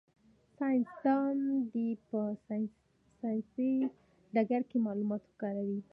ساینس دان دي په ساینسي ډګر کي معلومات وکاروي.